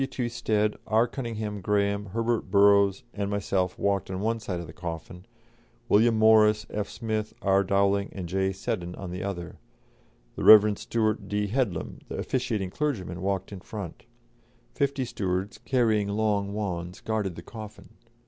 W.T. Stead, R. Cunninghame Graham, Herbert Burrows, and myself walked on one side the coffin, William Morris, F. Smith, R. Dowling, and J. Seddon on the other; the Rev. Stewart D. Headlam, the officiating clergyman, walked in front; fifty stewards carrying long wands guarded the coffin.